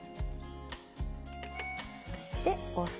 そしてお酢。